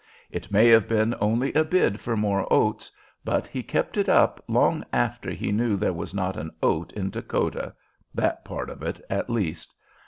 It may have been only a bid for more oats, but he kept it up long after he knew there was not an oat in Dakota, that part of it, at least.